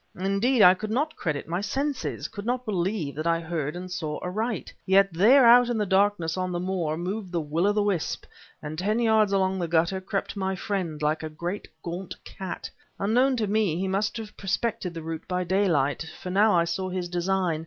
Indeed, I could not credit my senses, could not believe that I heard and saw aright. Yet there out in the darkness on the moor moved the will o' the wisp, and ten yards along the gutter crept my friend, like a great gaunt cat. Unknown to me he must have prospected the route by daylight, for now I saw his design.